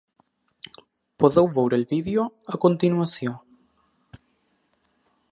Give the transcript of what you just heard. Podeu veure el vídeo a continuació.